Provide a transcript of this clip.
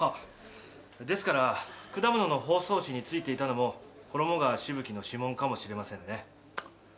ですから果物の包装紙に付いていたのも衣川しぶきの指紋かもしれませんね。